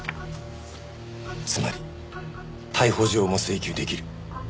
つまり逮捕状も請求出来る。